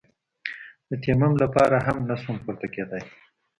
د تيمم لپاره هم نسوم پورته کېداى.